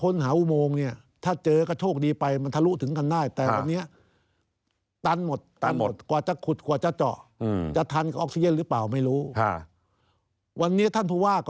วันนี้ท่านผู้ว่าก็แถลงว่าเป็นโอกาสดีที่สุด